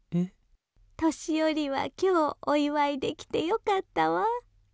年寄りは今日お祝いできてよかったわ。